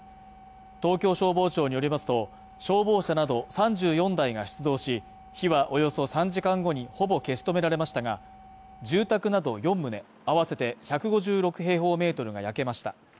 東京消防庁によりますと、消防車など３４台が出動し、火はおよそ３時間後にほぼ消し止められましたが、住宅など４棟、あわせて１５６平方メートルが焼けました。